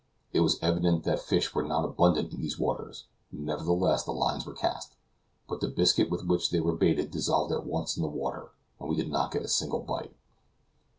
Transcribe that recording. It was evident that fish were not abundant in these waters, nevertheless the lines were cast. But the biscuit with which they were baited dissolved at once in the water, and we did not get a single bite.